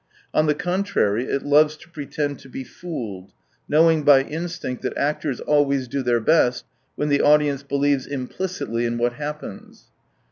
On the contrary, it loves to pretend to be fooled, knoAving by instinct that actors always do their best when the audience believes im plicitly in what happens.